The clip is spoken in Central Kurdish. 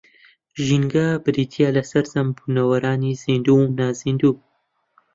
ژینگە بریتییە لە سەرجەم بوونەوەرانی زیندوو و نازیندوو